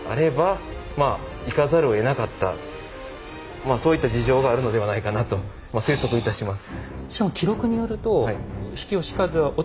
まあそういった事情があるのではないかなと推測いたします。